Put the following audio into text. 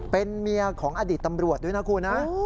เป็นเมียของอดีตตำรวจด้วยนะคุณนะ